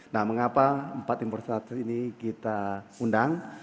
nah mengapa empat investasi ini kita undang